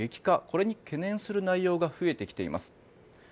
これに懸念する内容が増えてきています。